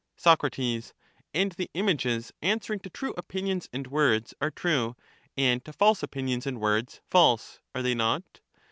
Soc, And the images answering to true opinions and words are true, and to false opinions and words false ; are they not